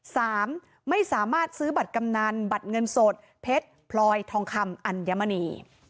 สามไม่สามารถซื้อบัตรกำนันบัตรเงินสดเพชรพลอยทองคำอัญมณี